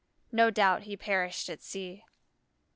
No doubt he perished at sea.